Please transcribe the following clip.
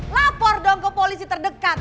lapor dong ke polisi terdekat